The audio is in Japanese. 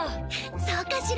そうかしら？